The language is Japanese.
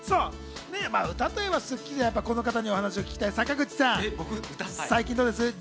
まあ、歌といえば『スッキリ』だとこの方にお話を聞きたい坂口さん、最近どうです？